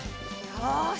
よし。